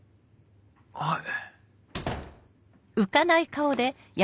はい。